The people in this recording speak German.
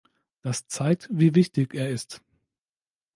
Das zeigt, wie wichtig er ist.